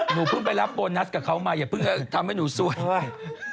หนูเพิ่งไปรับโบนัสกับเขามาอย่าเพิ่งทำให้หนูสวย